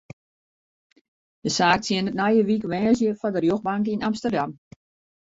De saak tsjinnet nije wike woansdei foar de rjochtbank yn Amsterdam.